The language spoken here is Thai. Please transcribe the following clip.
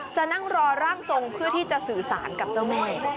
จะนั่งรอร่างทรงเพื่อที่จะสื่อสารกับเจ้าแม่